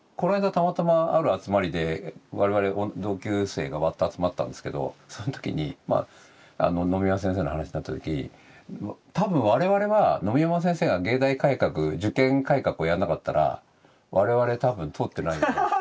たまたまある集まりで我々同級生がわって集まったんですけどその時に野見山先生の話になった時多分我々は野見山先生が藝大改革受験改革をやんなかったら我々多分通ってないっていう。